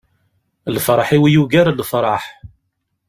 Lferḥ-iw yugar lefraḥ.